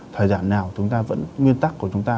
thời gian nào nguyên tắc của chúng ta